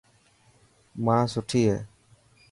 ماءِ سٺي هي.